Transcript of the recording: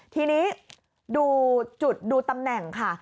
ทีนี้ดูจุดดูตำแหน่งค่ะ